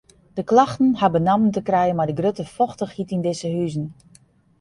De klachten ha benammen te krijen mei de grutte fochtichheid yn dizze huzen.